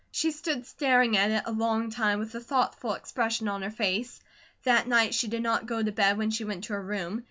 She stood staring at it a long time with a thoughtful expression on her face. That night she did not go to bed when she went to her room.